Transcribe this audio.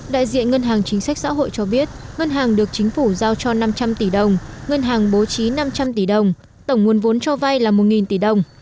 đại diện ngân hàng chính sách xã hội cho biết ngân hàng được chính phủ giao cho năm trăm linh tỷ đồng ngân hàng bố trí năm trăm linh tỷ đồng tổng nguồn vốn cho vay là một tỷ đồng